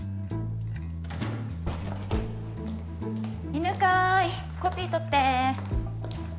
・・犬飼コピーとって。